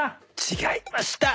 違いました。